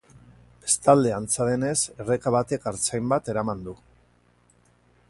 Bestalde, antza denez, erreka batek artzain bat eraman du.